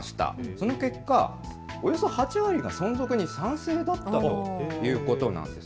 その結果、およそ８割が存続に賛成だったということなんです。